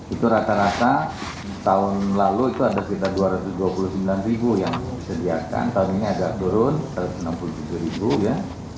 itu rata rata tahun lalu itu ada sekitar dua ratus dua puluh sembilan ribu yang disediakan tahun ini agak turun satu ratus enam puluh tujuh ribu ya